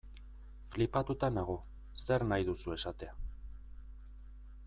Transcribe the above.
Flipatuta nago, zer nahi duzu esatea.